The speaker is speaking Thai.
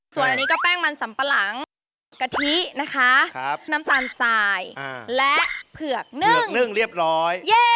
ส่วนอันนี้ก็แป้งมันสำปะหลังกะทินะคะน้ำตาลสายและเผือกนึ่งเผือกนึ่งเรียบร้อย